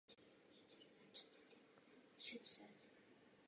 Vydal ale také celou řadu odborných monografií.